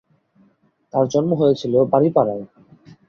তাঁর জন্ম হয়েছিল বাড়িপাড়ায়।